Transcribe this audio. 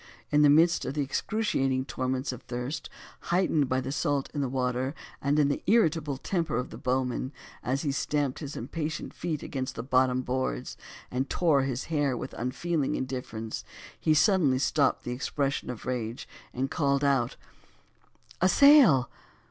In the midst of the excruciating torments of thirst, heightened by the salt water, and the irritable temper of the bowman, as he stamped his impatient feet against the bottom boards, and tore his hair with unfeeling indifference, he suddenly stopped the expression of rage and called out "a sail!"